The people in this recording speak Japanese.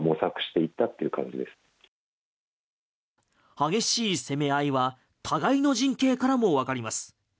激しい攻め合いは互いの陣形からもわかります。